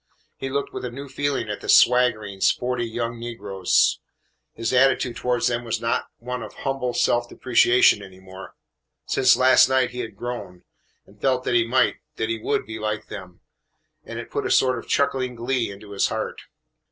He looked with a new feeling at the swaggering, sporty young negroes. His attitude towards them was not one of humble self depreciation any more. Since last night he had grown, and felt that he might, that he would, be like them, and it put a sort of chuckling glee into his heart.